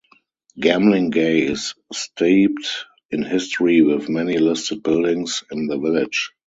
Gamlingay is steeped in history, with many listed buildings in the village.